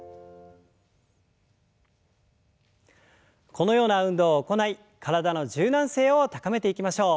このような運動を行い体の柔軟性を高めていきましょう。